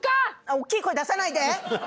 おっきい声出さないで！